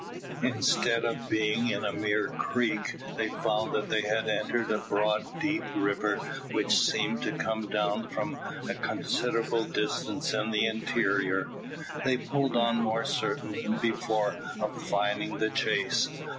Instead of being in a mere creek, they found that they had entered a broad deep river which seemed to come down from a considerable distance in the interior. They pulled on more certain than before of finding the chase.